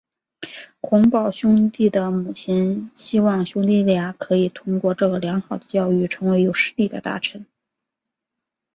洪堡兄弟的母亲希望兄弟俩可以通过这个良好的教育成为有势力的大臣。